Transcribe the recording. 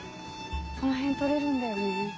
この辺取れるんだよね。